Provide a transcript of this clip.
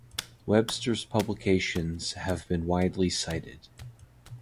Webster’s publications have been widely cited.